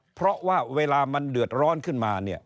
เพราะว่าเวลามันเดือดร้อนขึ้นมา